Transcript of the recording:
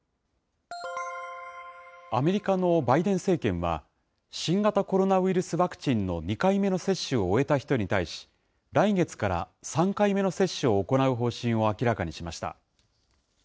アメリカのバイデン政権は、新型コロナウイルスワクチンの２回目の接種を終えた人に対し、来月から３回目の接種を行う方針を明らかにしました。